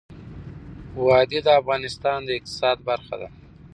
وادي د افغانستان د اقتصاد برخه ده.